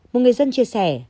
một người dân chia sẻ